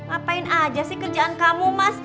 ngapain aja sih kerjaan kamu mas